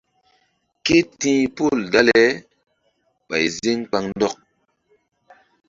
Ké ti̧h pol dale ɓay ziŋ kpaŋndɔk.